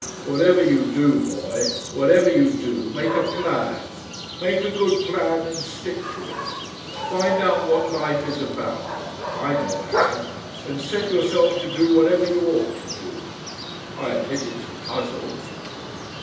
"Whatever you do, boy, whatever you do, make a Plan. Make a good Plan and stick to it. Find out what life is about I never have and set yourself to do whatever you ought to do. I admit it's a puzzle....